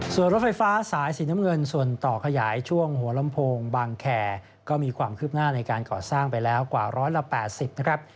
ส่วนรถไฟฟ้าสายสีน้ำเงินส่วนต่อขยายช่วงหัวลำโพงบางแคร์ก็มีความคืบหน้าในการก่อสร้างไปแล้วกว่า๑๘๐นะครับ